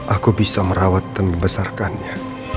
aku bisa merawat dan membesarkannya